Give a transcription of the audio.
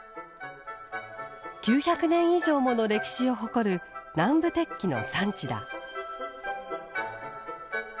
９００年以上もの歴史を誇る南部鉄器の産地だ。